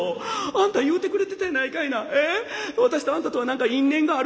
あんた言うてくれてたやないかいな。